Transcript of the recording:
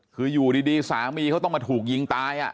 คืออยู่ดีสามีเขาต้องมาถูกยิงตาย